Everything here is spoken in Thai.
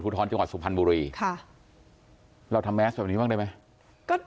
ตรวจผู้ท้อนจังหวัดสุขภัณฑ์บุรีค่ะเราทำแมสแบบนี้บ้างได้ไหม